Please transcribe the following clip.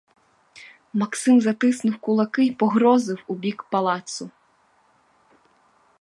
Максим затиснув кулаки й погрозив у бік палацу.